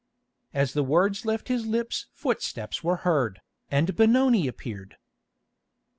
As the words left his lips footsteps were heard, and Benoni appeared.